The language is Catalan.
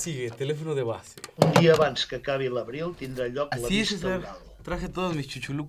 Un dia abans que acabi l'abril tindrà lloc la vista oral.